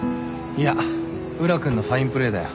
いや宇良君のファインプレーだよ。